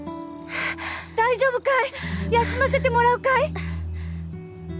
大丈夫かい休ませてもらうかい？